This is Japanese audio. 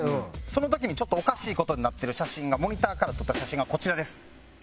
その時にちょっとおかしい事になってる写真がモニターから撮った写真がこちらです。